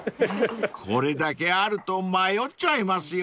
［これだけあると迷っちゃいますよね］